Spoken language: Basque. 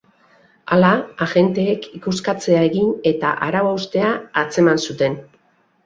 Hala, agenteek ikuskatzea egin eta arau-haustea atzeman zuten.